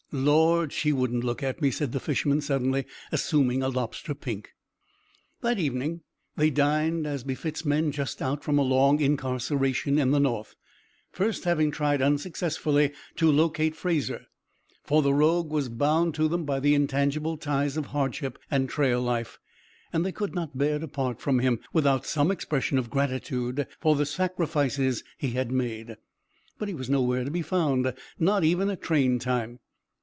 "Lord! She wouldn't look at me," said the fisherman, suddenly, assuming a lobster pink. That evening they dined as befits men just out from a long incarceration in the North, first having tried unsuccessfully to locate Fraser; for the rogue was bound to them by the intangible ties of hardship and trail life, and they could not bear to part from him without some expression of gratitude for the sacrifices he had made. But he was nowhere to be found, not even at train time.